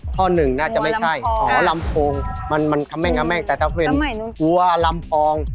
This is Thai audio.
ข้อหนึ่งน่าจะไม่ใช่อ๋อลำโพงมันคำแม่งแม่งแต่ถ้าเป็นวัวลำพอง